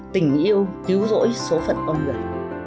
tình yêu cứu rỗi số phận con người